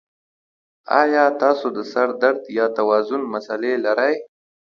ایا تاسو د سر درد یا توازن مسلې لرئ؟